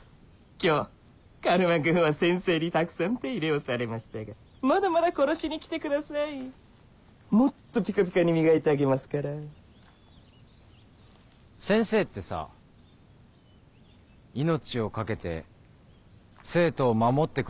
今日カルマ君は先生にたくさん手入れをされましたがまだまだ殺しに来てくださいもっとピカピカに磨いてあげますから先生ってさ命を懸けて生徒を守ってくれる人？